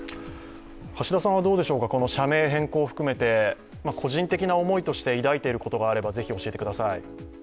橋田さんはこの社名変更を含めて個人的な思いとして抱いていることがあれば教えてください。